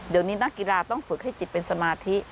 เดี๋ยวนี้นักกีฬาต้องฝึกให้จิตเป็นสมาธิ